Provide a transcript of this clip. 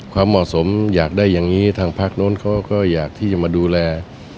ความเหมาะสมอยากได้อย่างนี้ทางภาคนู้นเขาก็อยากที่จะมาดูแล